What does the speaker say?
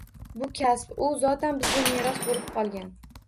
Bu kasb u zotdan bizga meros bo‘lib qolgan